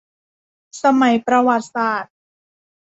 สมัยประวัติศาสตร์